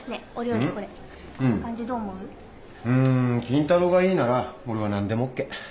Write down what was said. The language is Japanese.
金太郎がいいなら俺は何でもＯＫ。